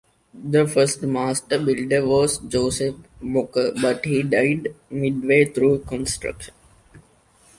The first master builder was Joseph Mocker but he died mid-way through construction.